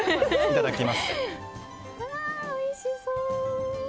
いただきます。